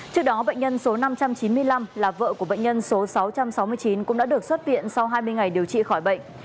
trước đó bệnh nhân số năm trăm chín mươi năm là vợ của bệnh nhân số sáu trăm sáu mươi chín cũng đã được xuất viện sau hai mươi ngày điều trị khỏi bệnh